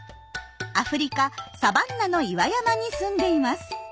アフリカサバンナの岩山にすんでいます。